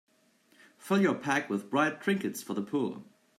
Fill your pack with bright trinkets for the poor.